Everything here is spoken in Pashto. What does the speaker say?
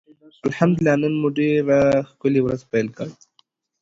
الحمدالله نن مو ډيره ښکلي ورځ پېل کړه.